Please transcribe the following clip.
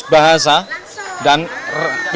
satu seratus bahasa dan regam suku